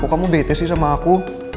kamu bete sih sama aku